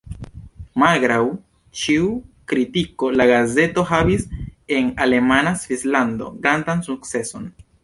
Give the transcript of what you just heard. Malgraŭ ĉiu kritiko la gazeto havis en alemana Svislando grandan sukceson.